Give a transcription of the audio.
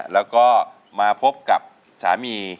แล้วก็มาพบกับสามี